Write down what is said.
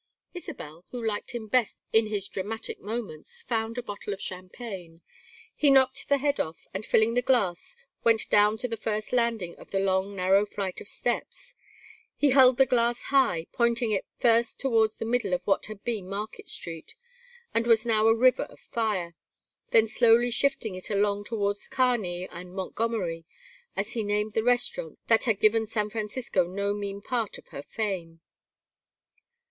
Isabel, who liked him best in his dramatic moments, found a bottle of champagne. He knocked the head off, and filling the glass, went down to the first landing of the long narrow flight of steps. He held the glass high, pointing it first towards the middle of what had been Market Street, and was now a river of fire, then slowly shifting it along towards Kearney and Montgomery, as he named the restaurants that had given San Francisco no mean part of her fame.